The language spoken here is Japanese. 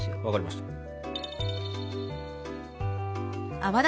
分かりました。